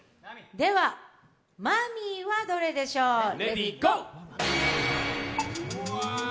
では、マミーはどれでしょう。